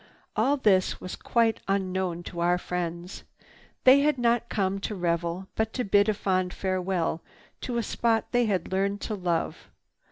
All this was quite unknown to our friends. They had not come to revel but to bid a fond farewell to a spot they had learned to love.